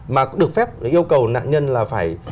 mà được phép yêu cầu nạn nhân là phải